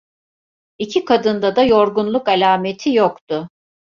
İki kadında da yorgunluk alameti yoktu.